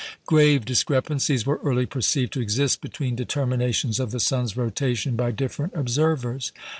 Grave discrepancies were early perceived to exist between determinations of the sun's rotation by different observers.